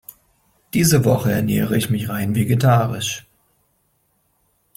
Diese Woche ernähre ich mich rein vegetarisch.